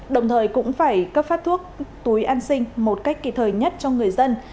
đồng thời cũng phải cấp phát thuốc túi an sinh một cách kỳ thời nhất cho người dân